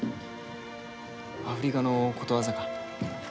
アフリカのことわざか。